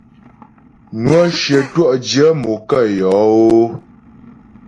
Nwə́ shyə twɔ'dyə̂ mo kə yɔ́ ó.